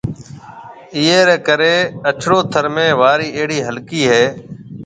ايئيَ رَي ڪرَي اڇڙو ٿر ۾ وارِي اھڙِي ھلڪِي ھيََََ